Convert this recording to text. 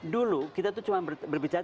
dulu kita tuh cuma berbicara